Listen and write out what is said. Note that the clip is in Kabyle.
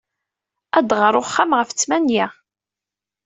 As-d ɣer uxxam ɣef ttmenya.